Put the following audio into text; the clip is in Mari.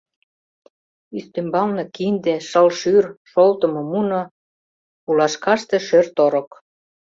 Ӱстембалне кинде, шыл шӱр, шолтымо муно, пулашкаште шӧр-торык.